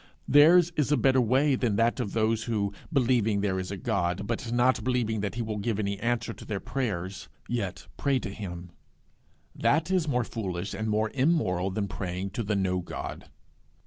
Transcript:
Theirs is a better way than that of those who, believing there is a God, but not believing that he will give any answer to their prayers, yet pray to him; that is more foolish and more immoral than praying to the No god.